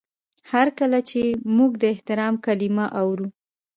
هر کله چې موږ د احترام کلمه اورو.